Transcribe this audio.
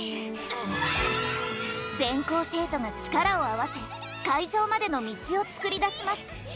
全校生徒が力を合わせ会場までの道を作り出します。